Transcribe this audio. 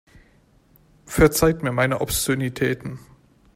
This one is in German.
Verzeiht mir meine Obszönitäten.